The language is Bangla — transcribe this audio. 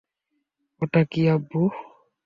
ওটা কী, আব্বু?